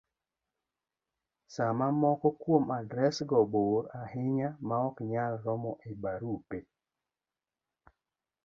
Sama moko kuom adresgo bor ahinya maok nyal romo e barupe